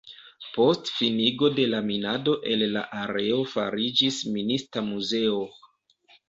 Post finigo de la minado el la areo fariĝis Minista muzeo.